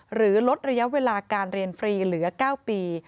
หรือลดระยะเวลาการเรียนฟรีเหลือ๙ปี